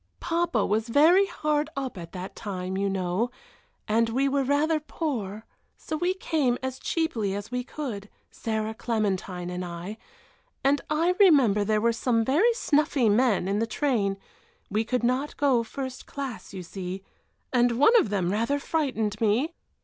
"Papa was very hard up at that time, you know, and we were rather poor, so we came as cheaply as we could, Sarah, Clementine, and I, and I remember there were some very snuffy men in the train we could not go first class, you see and one of them rather frightened me."